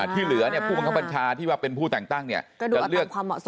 ที่เหลือเนี่ยผู้บังคับพันธาที่ว่าเป็นผู้แต่งตั้งหาก็จะเลือก